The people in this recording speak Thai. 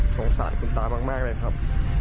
สงสารคุณตามากเลยครับ